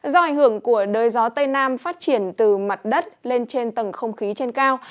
do ảnh hưởng của đới gió tây nam phát triển từ mặt đất lên trên tầng không khí trên cao